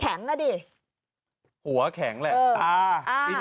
การนอนไม่จำเป็นต้องมีอะไรกัน